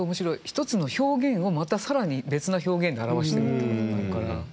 一つの表現をまた更に別な表現で表してるってことになるから。